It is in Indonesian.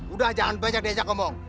udah jangan baca diajak ngomong